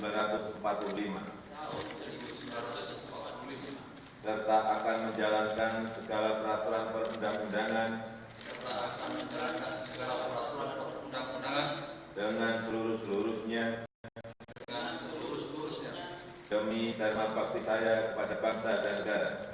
lalu kebangsaan indonesia baik